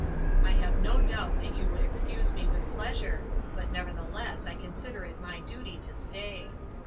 "I have no doubt that you would excuse me with pleasure, but nevertheless I con sider it my duty to stay